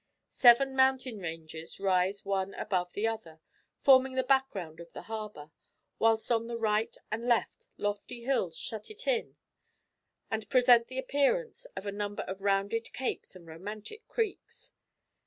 Seven mountain ranges rise one above the other, forming the background of the harbour; whilst on the right and left lofty hills shut it in, and present the appearance of a number of rounded capes and romantic creeks.